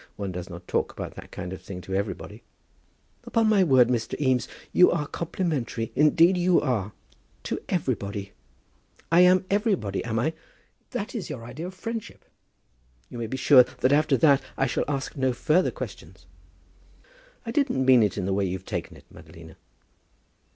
One does not talk about that kind of thing to everybody." "Upon my word, Mr. Eames, you are complimentary; indeed you are. To everybody! I am everybody, am I? That is your idea of friendship! You may be sure that after that I shall ask no further questions." "I didn't mean it in the way you've taken it, Madalina."